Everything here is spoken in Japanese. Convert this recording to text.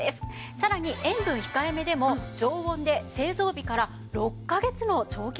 さらに塩分控えめでも常温で製造日から６カ月も長期保存が可能です。